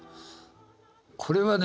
これはね